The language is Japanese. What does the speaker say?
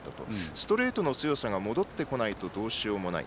ストレートの強さが戻ってこないとどうしようもない。